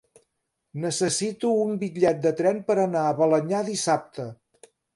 Necessito un bitllet de tren per anar a Balenyà dissabte.